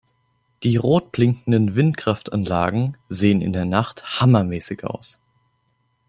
Die rot blinkenden Windkraftanlagen sehen in der Nacht hammermäßig aus!